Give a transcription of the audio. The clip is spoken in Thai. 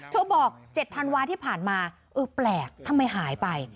บอก๗ธันวาที่ผ่านมาเออแปลกทำไมหายไป